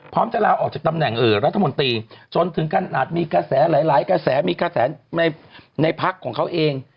จะลาออกจากตำแหน่งรัฐมนตรีจนถึงขนาดมีกระแสหลายกระแสมีกระแสในพักของเขาเอง